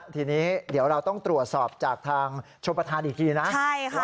ทีนี้เดี๋ยวเราต้องตรวจสอบจากทางชมประธานอีกทีนะใช่ค่ะ